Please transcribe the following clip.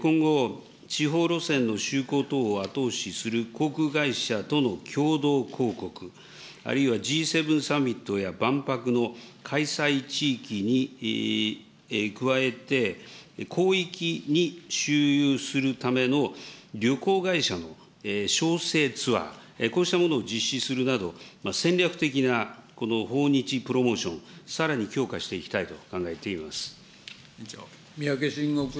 今後、地方路線の就航等を後押しする航空会社との共同広告、あるいはＧ７サミットや万博の開催地域に加えて、広域に周遊するための旅行会社のツアー、こうしたものを実施するなど、戦略的な訪日プロモーション、さらに強化していきたいと三宅伸吾君。